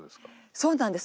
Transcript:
そうなんです。